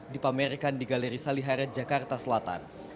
dipamerkan di galeri salihara jakarta selatan